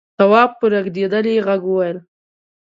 تواب په رېږدېدلي غږ وويل: